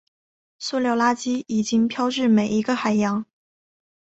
塑料垃圾已经飘至每一个海洋。